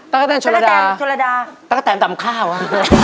ตั้งแต่งชนรดาตั้งแต่งต่ำข้าวอะ